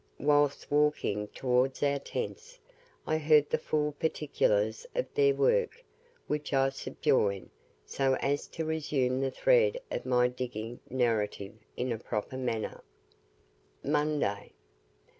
Whilst walking towards our tents, I heard the full particulars of their work, which I subjoin, so as to resume the thread of my DIGGING narrative in a proper manner. MONDAY.